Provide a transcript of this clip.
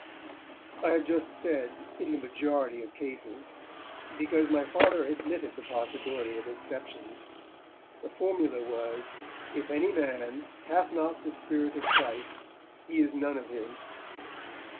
I have just said, 'in the majority of cases', because my Father admitted the possibility of exceptions. The formula was, 'If any man hath not the Spirit of Christ, he is none of his.'